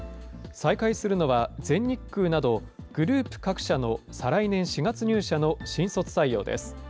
再開するのは全日空などグループ各社の再来年４月入社の新卒採用です。